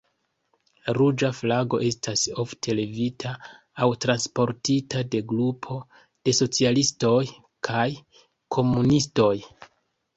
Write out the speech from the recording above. Ruĝa flago estas ofte levita aŭ transportita de grupo de socialistoj kaj komunistoj.